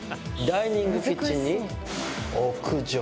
ダイニングキッチンに屋上。